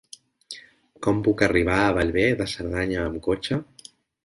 Com puc arribar a Bellver de Cerdanya amb cotxe?